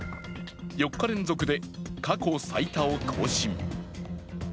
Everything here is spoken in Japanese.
４日連続で過去最多を更新。